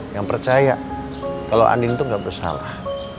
yang percaya kalau andin tuh gak bersalah